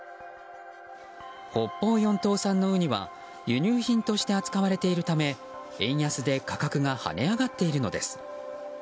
北方四島産のウニは輸入品として扱われているため、円安で価格が跳ね上がっているのです。